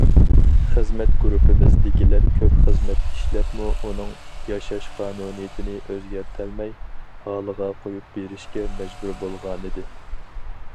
خىزمەت گۇرۇپپىمىزدىكىلەر كۆپ خىزمەت ئىشلەپمۇ ئۇنىڭ ياشاش قانۇنىيىتىنى ئۆزگەرتەلمەي، ھالىغا قويۇپ بېرىشكە مەجبۇر بولغانىدى.